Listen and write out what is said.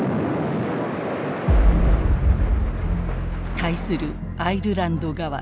対するアイルランド側。